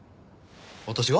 私が？